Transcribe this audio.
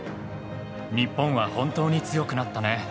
日本は本当に強くなったね。